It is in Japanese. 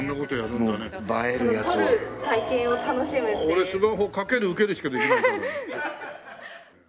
俺スマホかける受けるしかできない。